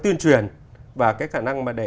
tuyên truyền và cái khả năng mà để